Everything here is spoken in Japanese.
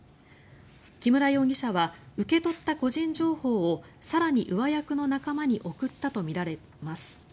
木村容疑者は受け取った個人情報を更に上役の仲間に送ったとみられます。